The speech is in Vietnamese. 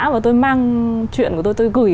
và tôi mang chuyện của tôi tôi gửi